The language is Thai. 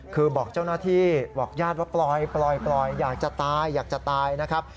คือบอกเจ้าหน้าที่บอกญาติว่าปล่อยอยากจะตายอยากจะตายนะครับ